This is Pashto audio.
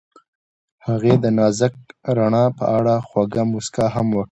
هغې د نازک رڼا په اړه خوږه موسکا هم وکړه.